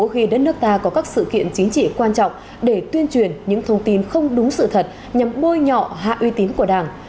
khi đất nước ta có các sự kiện chính trị quan trọng để tuyên truyền những thông tin không đúng sự thật nhằm bôi nhọ hạ uy tín của đảng